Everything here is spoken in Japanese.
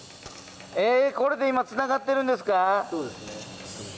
これで今つながってるんですか？